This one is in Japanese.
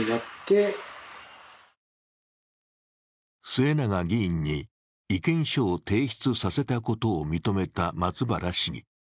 末永議員に意見書を提出させたことを認めた松原市議。